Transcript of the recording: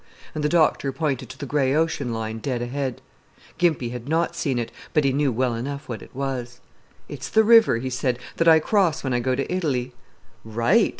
and the doctor pointed to the gray ocean line dead ahead. Gimpy had not seen it, but he knew well enough what it was. "It's the river," he said, "that I cross when I go to Italy." "Right!"